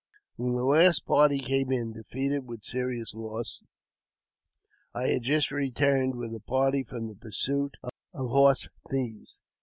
When the last party came in, defeated with serious loss, I had just returned with a party from the pursuit of horse thieves.